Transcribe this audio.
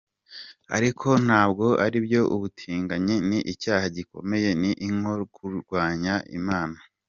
Ariko ntabwo aribyo ubutinganyi ni icyaha gikomeye ni nko kurwanya Imana”